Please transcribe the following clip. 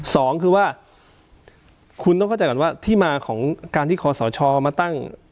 สองคือว่าคุณต้องเข้าใจก่อนว่าที่มาของการที่คอสชมาตั้ง